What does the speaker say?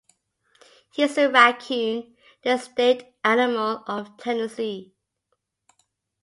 He is a raccoon, the state animal of Tennessee.